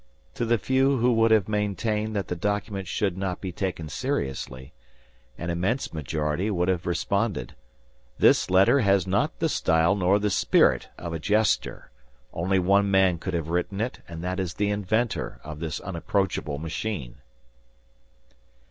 To the few who would have maintained that the document should not be taken seriously, an immense majority would have responded: "This letter has not the style nor the spirit of a jester. Only one man could have written it; and that is the inventor of this unapproachable machine."